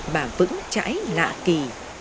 và vững chãi lạ kỳ